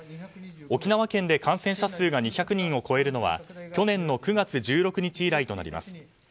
沖縄県で感染者数が２００人を超えるのは去年の９月１６日以来となります。